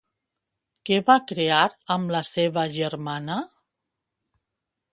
Què va crear amb la seva germana?